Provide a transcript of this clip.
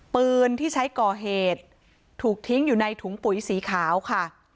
ปืนที่ใช้ก่อเหตุถูกทิ้งอยู่ในถุงปุ๋ยสีขาวค่ะ